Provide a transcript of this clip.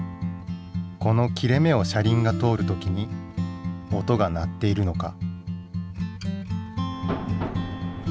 この切れ目を車輪が通る時に音が鳴っているのか？